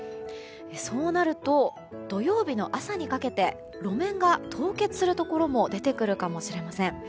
そうなると、土曜日の朝にかけて路面が凍結するところも出てくるかもしれません。